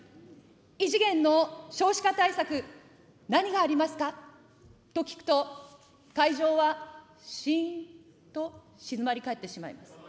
異次元の少子化対策、何がありますか。と聞くと、会場は、しーんと静まり返ってしまいます。